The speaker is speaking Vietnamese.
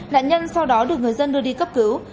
nạn nhân sau đó được người dân đưa đi cấp cứu